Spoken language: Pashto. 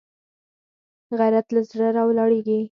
غیرت له زړه راولاړېږي